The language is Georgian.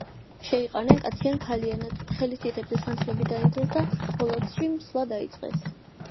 შეიყარნენ კაციან-ქალიანად, ხელის თითებზე სანთლები დაინთეს და ფოლორცში სვლა დაიწყეს